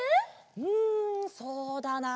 うんそうだなあ。